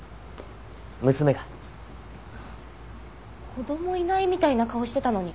子供いないみたいな顔してたのに。